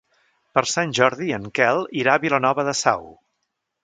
Per Sant Jordi en Quel irà a Vilanova de Sau.